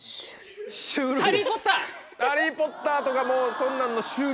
『ハリー・ポッター』とかもうそんなんの種類。